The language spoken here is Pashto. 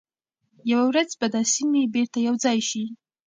یوه ورځ به دا سیمي بیرته یو ځای شي.